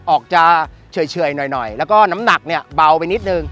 ออกจะเฉยหน่อยแล้วก็น้ำหนักเนี่ยเบาไปนิดนึง